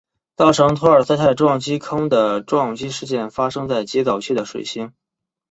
造成托尔斯泰撞击坑的撞击事件发生在极早期的水星。